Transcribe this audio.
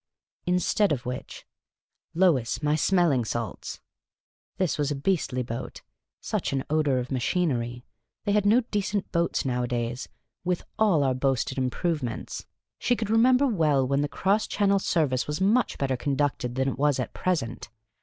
Instead of which —" Lois, my smelling salts !" This was a beastly boat ; such an odour of machinery; they had no decent boats nowadays ; with all our boasted im provements, she could remember well when the cross Channel service was much better conducted than it was at present.